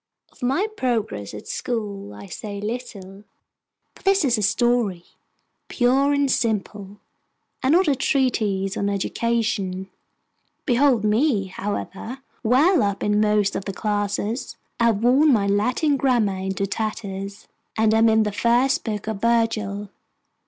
Of my progress at school I say little; for this is a story, pure and simple, and not a treatise on education. Behold me, however, well up in most of the classes. I have worn my Latin grammar into tatters, and am in the first book of Virgil.